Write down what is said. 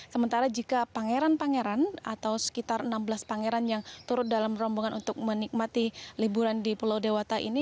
sementara jika pangeran pangeran atau sekitar enam belas pangeran yang turut dalam rombongan untuk menikmati liburan di pulau dewata ini